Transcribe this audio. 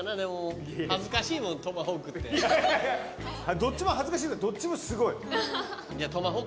どっちも恥ずかしいどっちもすごい。